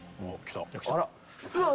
うわっ